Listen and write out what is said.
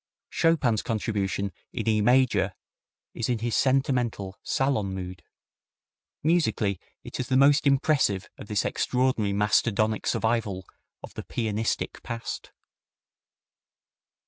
Chopin's contribution in E major is in his sentimental, salon mood. Musically, it is the most impressive of this extraordinary mastodonic survival of the "pianistic" past.